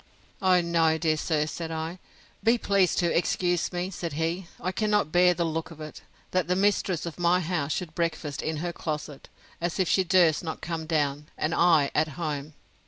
O no, dear sir, said I; be pleased to excuse me! said he, I cannot bear the look of it, that the mistress of my house should breakfast in her closet, as if she durst not come down, and I at home!